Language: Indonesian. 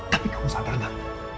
tapi kamu sadarlah